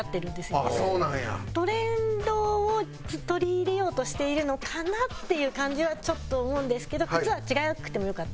トレンドを取り入れようとしているのかなっていう感じはちょっと思うんですけど。